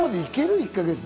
１か月で。